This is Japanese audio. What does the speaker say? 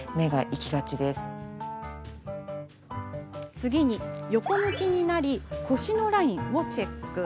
次に横向きになり腰のラインをチェック。